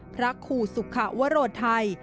พระครูสุขวโรไทย